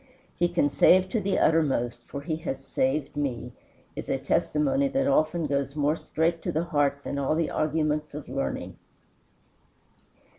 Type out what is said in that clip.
"He can save to the uttermost, for he has saved me," is a testimony that often goes more straight to the heart than all the arguments of learning.